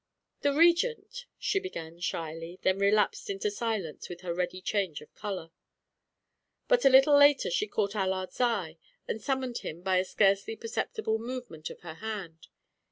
"The Regent," she began shyly, then relapsed into silence with her ready change of color. But a little later she caught Allard's eye and summoned him by a scarcely perceptible movement of her hand.